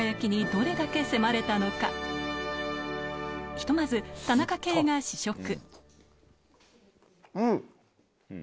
ひとまず田中圭が試食うん！